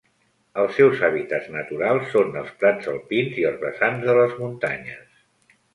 Els seus hàbitats naturals són els prats alpins i els vessants de les muntanyes.